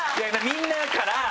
みんなから。